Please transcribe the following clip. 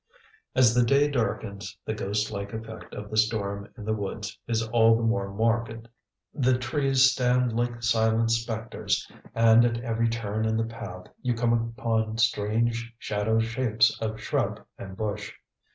As the day darkens the ghost like effect of the storm in the woods is all the more marked. The trees stand like silent specters, and at every turn in the path you come upon strange shadow shapes of shrub and bush.